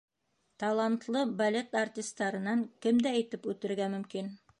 Талантлы балет артистарынан кемде әйтеп үтергә мөмкин?